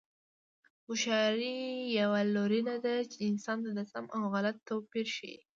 هوښیاري یوه لورینه ده چې انسان ته د سم او غلط توپیر ښيي.